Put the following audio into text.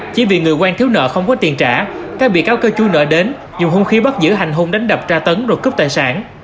chỉ vì người quen thiếu nợ không có tiền trả các bị cáo cơ chú nợ đến dùng hung khí bắt giữ hành hung đánh đập tra tấn rồi cướp tài sản